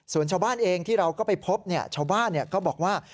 ส่วนชาวบ้านเองที่เราก็ไปพบชาวบ้านก็บอกว่า